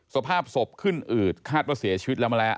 สภาพศพขึ้นอืดคาดว่าเสียชีวิตแล้วมาแล้ว